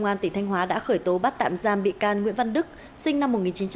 công an tỉnh thanh hóa đã khởi tố bắt tạm giam bị can nguyễn văn đức sinh năm một nghìn chín trăm tám mươi